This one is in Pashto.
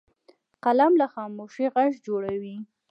قلم له خاموشۍ غږ جوړوي